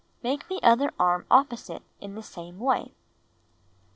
Make the other arm opposite in the same way.